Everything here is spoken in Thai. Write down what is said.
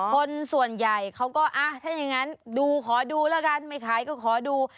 คนส่วนใหญ่เขาก็ถ้าอย่างนั้นดูขอดูแล้วกันไม่ขายก็ขอดู